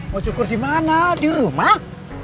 mau cukur di mana di rumah